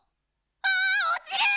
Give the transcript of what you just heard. あおちる！